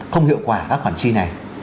không hiệu quả các khoản chi này